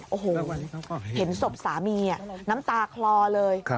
โอ้โหเห็นศพสามีน้ำตาคลอเลย